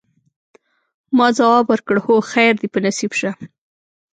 ما ځواب ورکړ: هو، خیر دي په نصیب شه.